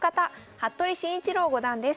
服部慎一郎五段です。